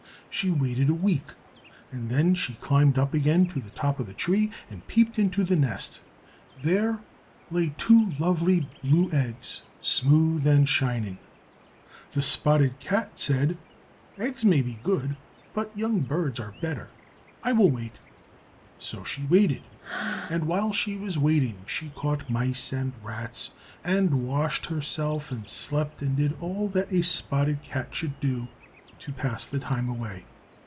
She waited a week, and then she climbed up again to the top of the tree, and peeped into the nest. There lay two lovely blue eggs, smooth and shining. The spotted cat said, "Eggs may be good, but young birds are better. I will wait." So she waited; and while she was waiting, she caught mice and rats, and washed herself and slept, and did all that a spotted cat should do to pass the time away.